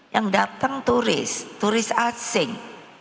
yang datang turis turis asing